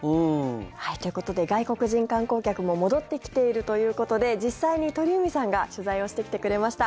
ということで外国人観光客も戻ってきているということで実際に鳥海さんが取材をしてきてくれました。